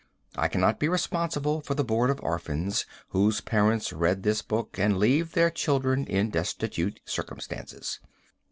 I cannot be responsible for the board of orphans whose parents read this book and leave their children in destitute circumstances.